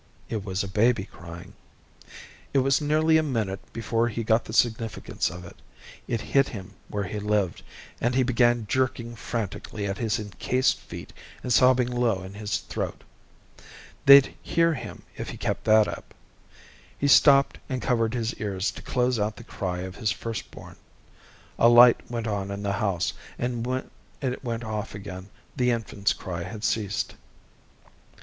It was a baby crying. It was nearly a minute before he got the significance of it. It hit him where he lived, and he began jerking frantically at his encased feet and sobbing low in his throat. They'd hear him if he kept that up. He stopped and covered his ears to close out the cry of his firstborn. A light went on in the house, and when it went off again, the infant's cry had ceased.